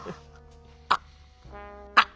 あっあっ！